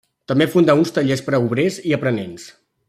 També fundà uns tallers per a obrers i aprenents.